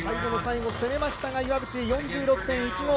最後の最後、攻めましたが岩渕、４６．１５。